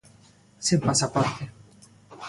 Sen pasaporte.